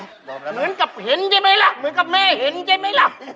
เหมือนกับเห็นใช่ไหมล่ะเหมือนกับแม่เห็นใช่ไหมล่ะ